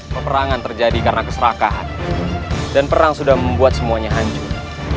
peperangan terjadi karena keserakahan dan perang sudah membuat semuanya hancur